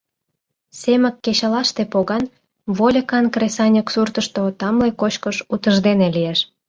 Семык кечылаште поган, вольыкан кресаньык суртышто тамле кочкыш утыждене лиеш.